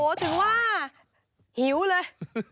โอ้โหถึงว่าหิวเลย